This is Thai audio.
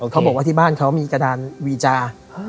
เขาบอกว่าที่บ้านเขามีกระดานวีจา